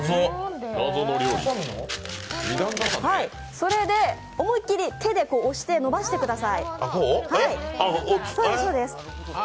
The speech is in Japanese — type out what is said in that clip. それで思い切り、手で押して伸ばしてください。